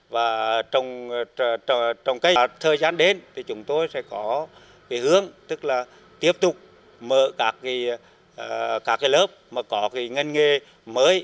và trong thời gian đến chúng tôi sẽ có hướng tiếp tục mở các lớp có ngân nghề mới